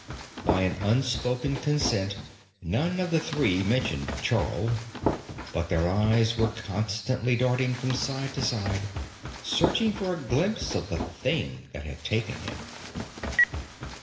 By an unspoken consent, none of the three mentioned Charl, but their eyes were constantly darting from side to side, searching for a glimpse of the thing that had taken him.